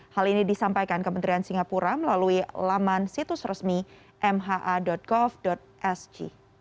hal ini disampaikan kementerian singapura melalui laman situs resmi mha gov sg